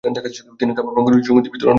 তিনি কাবা প্রাঙ্গনে সুগন্ধি বিতরণ করতেন।